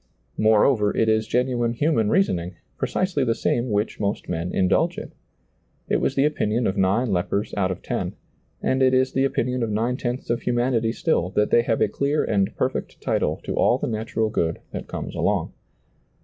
More over, it is genuine human reasoning, precisely the same which most men indulge in. It was the opinion of nine lepers out of ten, and it is the opinion of nine tenths of humanity stiU, that they have a clear and perfect title to all the natural good that comes along.